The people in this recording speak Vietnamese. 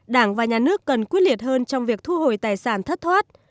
đảng và nhà nước cần quyết liệt hơn trong việc thu hồi tài sản thất thoát